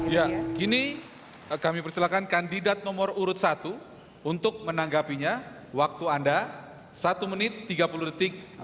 ya kini kami persilakan kandidat nomor urut satu untuk menanggapinya waktu anda satu menit tiga puluh detik dimulai saat anda berada di sini